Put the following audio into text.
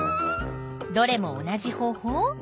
どれも同じ方法？